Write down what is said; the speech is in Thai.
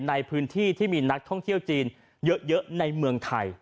ในพื้นที่ที่มีนักท่องเที่ยวจีนเยอะในเมืองไทย